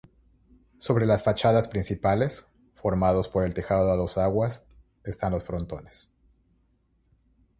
Sobre las fachadas principales, formados por el tejado a dos aguas, están los frontones.